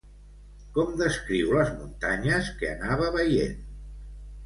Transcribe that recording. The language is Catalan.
Com descriu les muntanyes que anava veient?